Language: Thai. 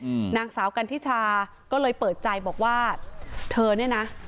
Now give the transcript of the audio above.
อืมนางสาวกันทิชาก็เลยเปิดใจบอกว่าเธอเนี้ยน่ะ